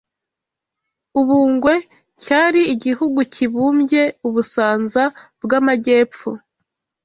U Bungwe cyari igihugu kibumbye u Busanza bw’Amajyepfo